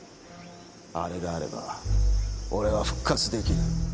あれがあれば俺は復活できる。